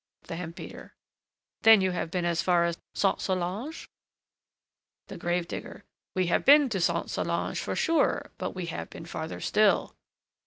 THE HEMP BEATER. Then you have been as far as Sainte Solange? THE GRAVE DIGGER. We have been to Sainte Solange, for sure; but we have been farther still.